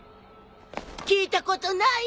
聞いたことない？